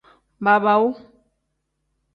Baabaawu.